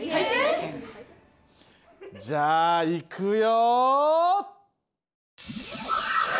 じゃあいくよ！